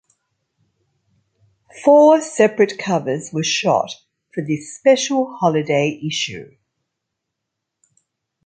Four separate covers were shot for this special holiday issue.